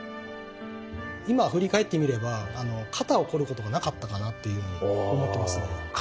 今振り返ってみれば肩をこることがなかったかなっていうふうに思ってますね。